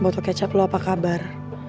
botol kecap lo apa kabar